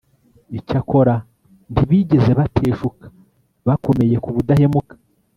Icyakora ntibigeze bateshuka Bakomeye ku budahemuka